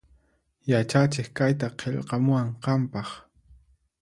Yachachiq kayta qillqamuwan qanpaq